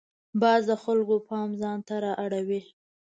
باز د خلکو پام ځان ته را اړوي